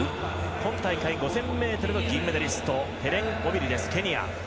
今大会５０００ｍの銀メダリストヘレン・オビリ、ケニア。